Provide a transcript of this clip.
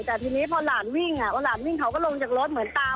แต่ทีนี้พอหลานวิ่งพอหลานวิ่งเขาก็ลงจากรถเหมือนตาม